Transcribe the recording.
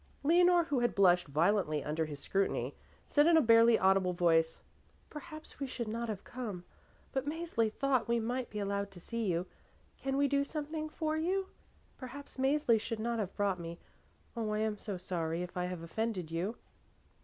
Leonore, who had blushed violently under his scrutiny, said in a barely audible voice, "Perhaps we should not have come; but Mäzli thought we might be allowed to see you. Can we do something for you? Perhaps Mäzli should not have brought me. Oh, I am so sorry if I have offended you."